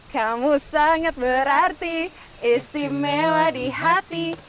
kamu sangat berarti istimewa di hati